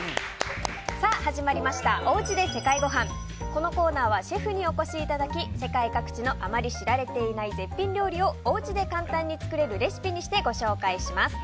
このコーナーはシェフにお越しいただき世界各地のあまり知られていない絶品料理をお家で簡単に作れるレシピにしてご紹介します。